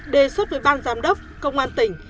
đề xuất với ban giám đốc công an tỉnh